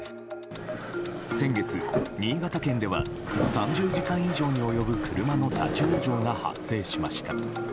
先月、新潟県では３０時間以上に及ぶ車の立ち往生が発生しました。